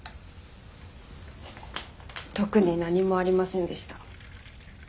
特に何もありませんでした。